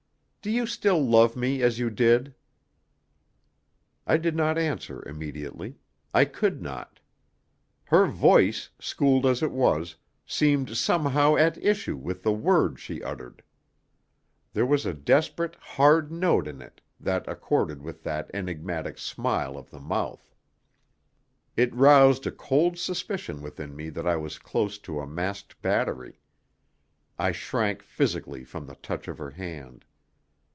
Do you still love me as you did?" I did not answer immediately; I could not. Her voice, schooled as it was, seemed somehow at issue with the words she uttered. There was a desperate, hard note in it that accorded with that enigmatic smile of the mouth. It roused a cold suspicion within me that I was close to a masked battery. I shrank physically from the touch of her hand.